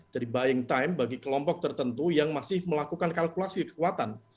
jadi buying time bagi kelompok tertentu yang masih melakukan kalkulasi kekuatan